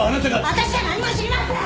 私は何も知りません！